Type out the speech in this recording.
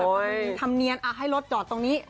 ไม่ต้องทำเนียนให้รถจอดตรงนี้